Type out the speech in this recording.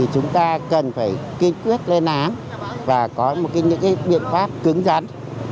phải kiên quyết lên án và có một cái những cái biện pháp cứng rắn